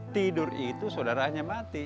tidur itu saudaranya mati